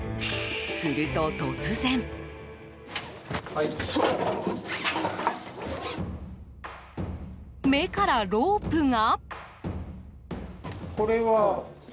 すると突然、目からロープが。